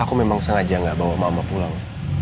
aku memang sengaja gak bawa mama pulang